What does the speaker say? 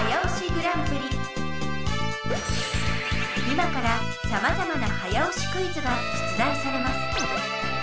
今からさまざまな早押しクイズが出題されます。